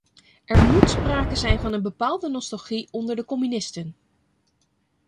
Er moet sprake zijn van een bepaalde nostalgie onder de communisten.